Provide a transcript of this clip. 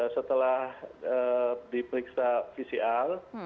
setelah diperiksa fisial